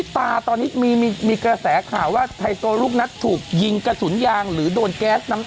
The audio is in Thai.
ทางกลุ่มมวลชนทะลุฟ้าทางกลุ่มมวลชนทะลุฟ้า